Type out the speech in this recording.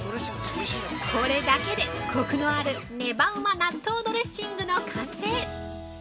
◆これだけで、コクのあるねばうま納豆ドレッシングの完成。